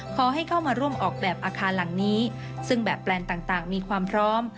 ขอให้เข้ามาร่วมออกแบบอาคารหลังนี้ซึ่งแบบแปลนต่างมีความพร้อม